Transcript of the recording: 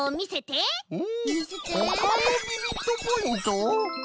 ほかのビビットポイント？